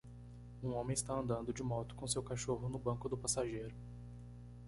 Um homem está andando de moto com seu cachorro no banco do passageiro.